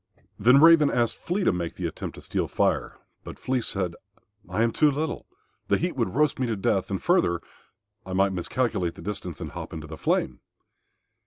Then Raven asked Flea to make the attempt to steal Fire. But Flea said, "I am too little. The heat would roast me to death; and, further, I might miscalculate the distance and hop into the flame."